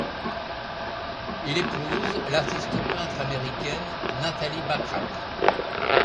Il épouse l'artiste peintre américaine Natalie Bachrach.